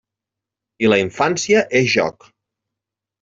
I la infància és joc.